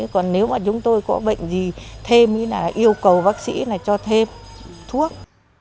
còn nếu mà chúng tôi có bệnh gì thêm ý là yêu cầu bác sĩ là cho thêm thuốc